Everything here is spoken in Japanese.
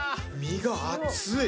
身が厚い。